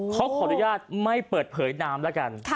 ขออนุญาตไม่เปิดเผยนามแล้วกัน